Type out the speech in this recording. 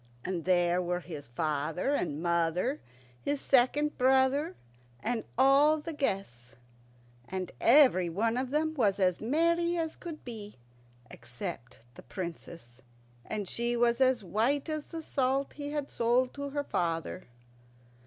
And there were his father and mother, his second brother, and all the guests. And everyone of them was as merry as could be, except the Princess, and she was as white as the salt he had sold to her father.